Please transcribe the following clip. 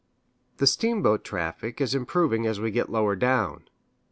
The steamboat traffic is improving as we get lower down.